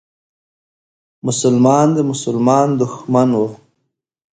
مسلمان د مسلمان دښمن و.